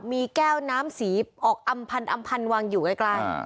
มีแก้วน้ำสีออกอำพันธ์วางอยู่กลาง